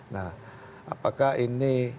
nah apakah ini